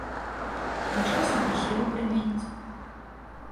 А часам, і сілу прыменяць.